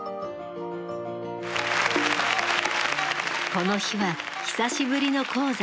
この日は久しぶりの高座。